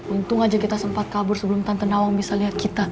untung aja kita sempat kabur sebelum tante nawang bisa lihat kita